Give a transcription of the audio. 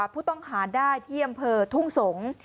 ผู้ต้องหาได้ที่อำเภอทุ่งสงศ์